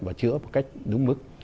và chữa một cách đúng mức